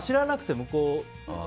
向こうが。